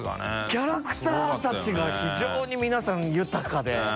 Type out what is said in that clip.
キャラクターたちが非常に皆さん豊かで。